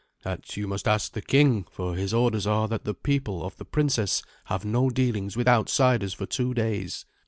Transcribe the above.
"That you must ask the king; for his orders are that the people of the princess have no dealings with outsiders for two days."